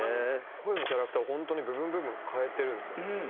声のキャラクターを本当に部分部分変えてるんですよね。